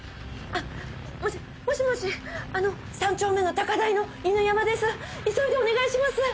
あの３丁目の高台の犬山です急いでお願いします